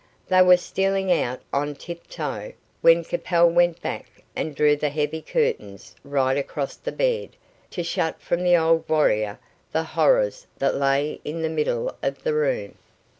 They were stealing out on tiptoe, when Capel went back and drew the heavy curtains right across the bed, to shut from the old warrior the horrors that lay in the middle of the room.